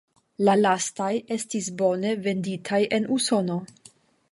La lastaj estis bone venditaj en Usono.